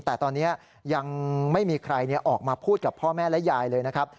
แต่ตอนนี้ยังไม่มีใครออกมาพูดกับพ่อแม่และยายเลยนะครับ